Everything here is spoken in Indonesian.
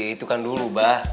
itu kan dulu bah